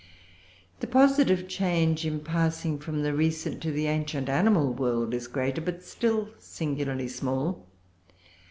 ] The positive change in passing from the recent to the ancient animal world is greater, but still singularly small.